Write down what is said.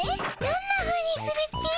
どんなふうにするっピィ？